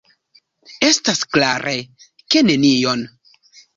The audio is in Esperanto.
Estas klare, ke nenion!